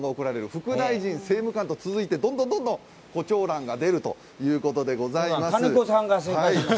副大臣、政務官と続いてどんどんこちょうらんが出るということでございます。